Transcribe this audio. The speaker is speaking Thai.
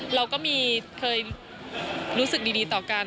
เราก็เคยรู้สึกดีต่อกัน